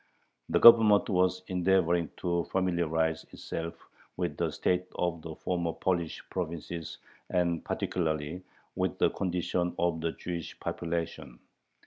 The Government was endeavoring to familiarize itself with the state of the former Polish provinces and particularly with the condition of the Jewish population.